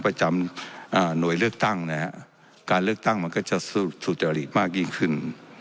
ประจำหน่วยเลือกตั้งนะฮะการเลือกตั้งมันก็จะสุจริตมากยิ่งขึ้น